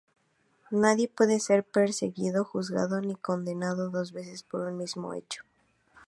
Nadie puede ser perseguido, juzgado ni condenado dos veces por un mismo hecho.